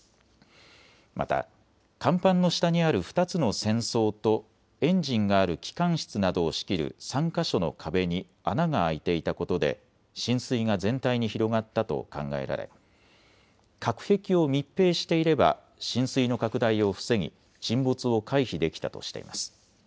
また甲板の下にある２つの船倉とエンジンがある機関室などを仕切る３か所の壁に穴が開いていたことで浸水が全体に広がったと考えられ隔壁を密閉していれば浸水の拡大を防ぎ沈没を回避できたとしています。